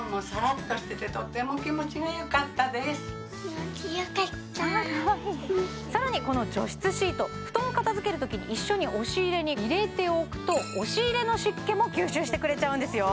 睡眠時の湿気でお悩みだというご家族敷いて寝るとさらにこの除湿シート布団を片づけるときに一緒に押し入れに入れておくと押し入れの湿気も吸収してくれちゃうんですよ